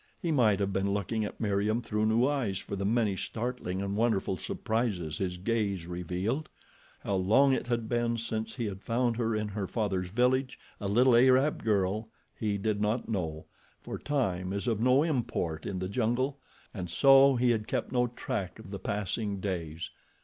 He might have been looking at Meriem through new eyes for the many startling and wonderful surprises his gaze revealed. How long it had been since he had found her in her father's village, a little Arab girl, he did not know, for time is of no import in the jungle and so he had kept no track of the passing days.